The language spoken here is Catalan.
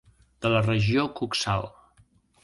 De la regió coxal.